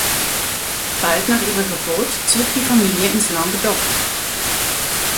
Bald nach ihrer Geburt zog die Familie ins Languedoc.